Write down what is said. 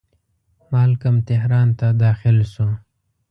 مالکم تهران ته داخل شو.